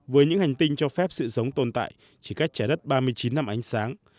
với những hành tinh cho phép sự sống tồn tại chỉ cách trái đất ba mươi chín năm ánh sáng